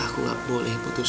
aku gak boleh putus